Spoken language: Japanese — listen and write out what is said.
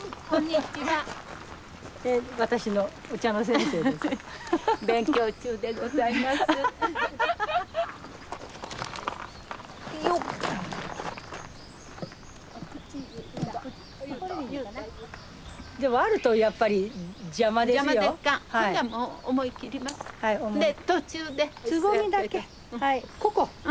ここ？